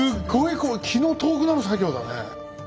こう気の遠くなる作業だね。